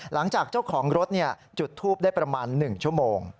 หลังจากเจ้าของรถจุดทูปได้ประมาณ๑ชั่วโมง